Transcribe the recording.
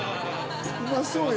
うまそうよ。